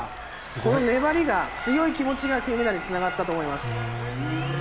この粘りが、強い気持ちが金メダルにつながったと思います。